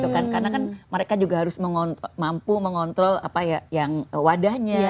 karena kan mereka juga harus mampu mengontrol apa ya yang wadahnya